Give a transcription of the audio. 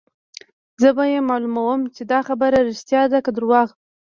زه به يې معلوموم چې دا خبره ريښتیا ده که درواغ.